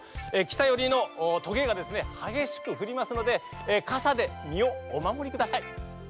きたよりのとげがですねはげしくふりますのでかさでみをおまもりください。